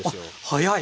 早い！